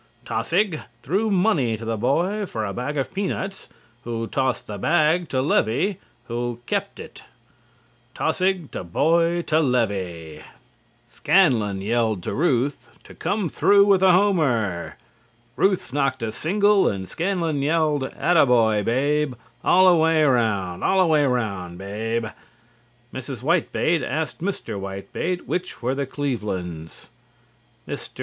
Taussig threw money to the boy for a bag of peanuts who tossed the bag to Levy who kept it. Taussig to boy to Levy. Scanlon yelled to Ruth to come through with a homer. Ruth knocked a single and Scanlon yelled "Atta boy, Babe! All er way 'round! All er way round, Babe!" Mrs. Whitebait asked Mr. Whitebait which were the Clevelands. Mr.